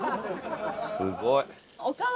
すごい！